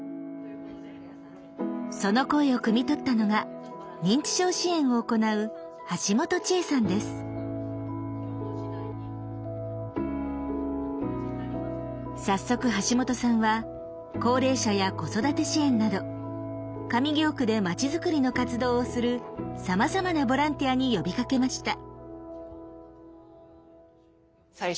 その声をくみ取ったのが認知症支援を行う早速橋本さんは高齢者や子育て支援など上京区で町づくりの活動をするさまざまなボランティアに呼びかけました。